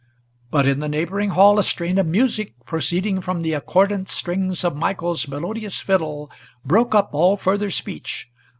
But in the neighboring hall a strain of music, proceeding From the accordant strings of Michael's melodious fiddle, Broke up all further speech.